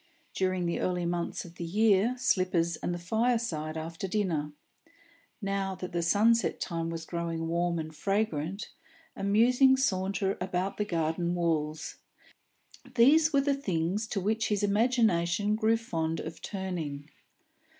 During the early months of the year, slippers and the fireside after dinner; now that the sunset time was growing warm and fragrant, a musing saunter about the garden walks; these were the things to which his imagination grew fond of turning.